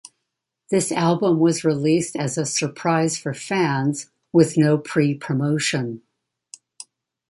This album was released as a surprise for fans, with no pre-promotion.